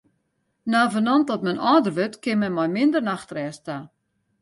Navenant dat men âlder wurdt, kin men mei minder nachtrêst ta.